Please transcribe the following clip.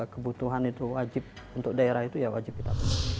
kebutuhan itu wajib untuk daerah itu ya wajib kita